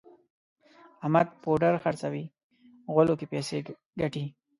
احمد پوډر خرڅوي غولو کې پیسې ګټي.